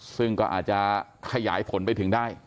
ซึ่งก็อาจจะขยายผลไปถึงได้